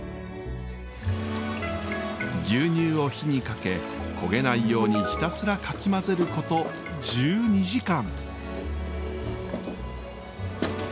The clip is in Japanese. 牛乳を火にかけ焦げないようにひたすらかき混ぜること１２時間。